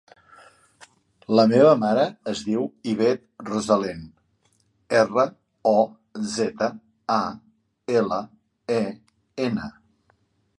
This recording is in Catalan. La meva mare es diu Ivet Rozalen: erra, o, zeta, a, ela, e, ena.